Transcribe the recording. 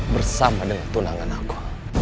bersama dengan tunangan aku